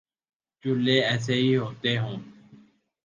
چولہے ایسے ہی ہوتے ہوں